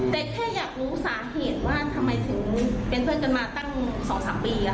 แต่แค่อยากรู้สาเหตุว่าทำไมถึงเป็นเพื่อนกันมาตั้งสองสามปีอ่ะค่ะอืม